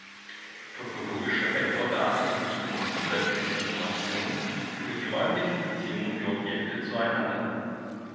Topologische Vektordaten bieten zusätzlich Informationen über die räumlichen Beziehungen der Objekte zueinander.